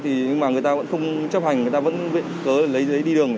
nhưng mà người ta vẫn không chấp hành người ta vẫn cố lấy giấy đi đường